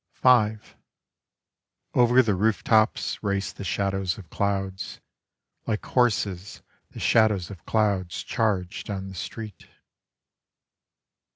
V Over the roof tops race the shadows of clouds; Like horses the shadows of clouds charge down the street.